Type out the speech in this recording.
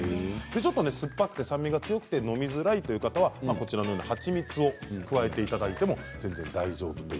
ちょっと酸っぱくて酸味があって飲みづらい方はこちらのように蜂蜜を加えていただいても全然大丈夫です。